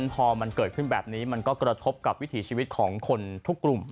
พอมันเกิดขึ้นแบบนี้มันก็กระทบกับวิถีชีวิตของคนทุกกลุ่ม